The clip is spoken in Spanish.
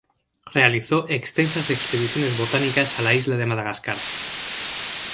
Realizó extensas expediciones botánicas a la isla de Madagascar.